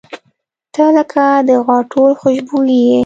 • ته لکه د غاټول خوشبويي یې.